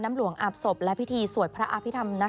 น้ำหลวงอาบศพและพิธีสวัสดิ์พระอภิษฐรรม